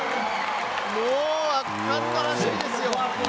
もう圧巻の走りですよ。